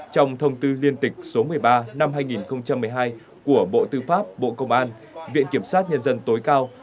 trong thông tư liên tịch số một mươi ba năm hai nghìn một mươi hai của bộ tư pháp bộ công an viện kiểm sát nhân dân tối cao